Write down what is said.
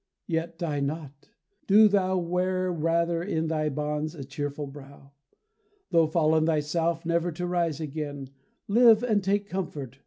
Yet die not; do thou Wear rather in thy bonds a cheerful brow; Though fallen thyself, never to rise again, Live and take comfort.